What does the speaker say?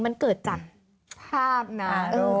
มันเกิดจัดภาพนาน